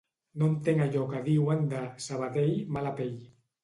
No entenc allò que diuen de "Sabadell, mala pell".